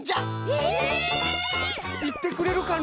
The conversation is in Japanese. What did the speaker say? えっ！？いってくれるかの？